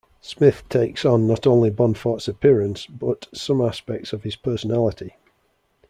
Smith takes on not only Bonforte's appearance, but some aspects of his personality.